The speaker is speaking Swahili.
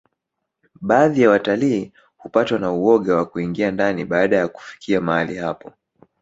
baadhi ya watalii hupatwa na uoga wa kuingia ndani baada ya kufikia mahali hapo